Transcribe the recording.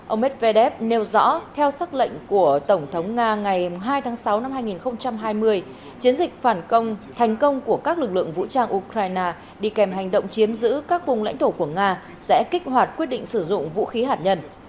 ông medvedev nêu rõ theo sắc lệnh của tổng thống nga ngày hai tháng sáu năm hai nghìn hai mươi chiến dịch phản công thành công của các lực lượng vũ trang ukraine đi kèm hành động chiếm giữ các vùng lãnh thổ của nga sẽ kích hoạt quyết định sử dụng vũ khí hạt nhân